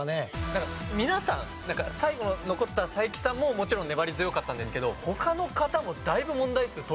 なんか皆さん最後残った才木さんももちろん粘り強かったんですけど他の方もだいぶ問題数解いてて。